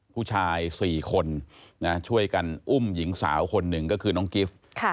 ผู้ชาย๔คนช่วยกันอุ้มหญิงสาวคนหนึ่งก็คือน้องกิฟต์